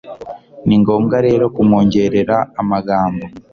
Ni ngombwa rero kumwongerera amagambo